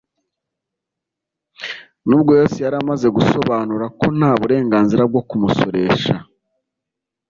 Nubwo Yesu yari amaze gusobanura ko nta burengarizira bwo kumusoresha,